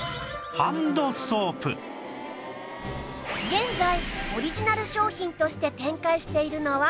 現在オリジナル商品として展開しているのは６種類